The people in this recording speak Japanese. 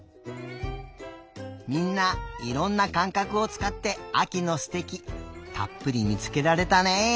みんないろんなかんかくをつかってあきのすてきたっぷりみつけられたね。